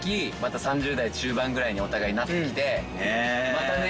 またね